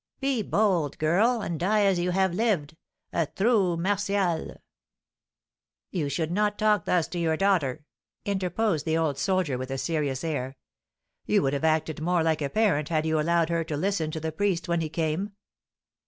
"Be bold, girl, and die as you have lived, a true Martial!" "You should not talk thus to your daughter," interposed the old soldier, with a serious air; "you would have acted more like a parent had you allowed her to listen to the priest when he came."